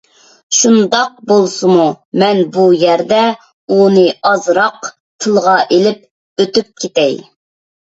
شۇنداق بولسىمۇ مەن بۇ يەردە ئۇنى ئازراق تىلغا ئېلىپ ئۆتۈپ كېتەي.